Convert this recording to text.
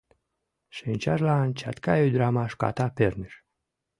Шинчажлан чатка ӱдырамаш ката перныш.